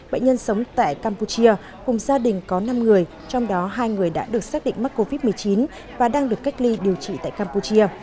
bệnh nhân sống tại campuchia cùng gia đình có năm người trong đó hai người đã được xác định mắc covid một mươi chín và đang được cách ly điều trị tại campuchia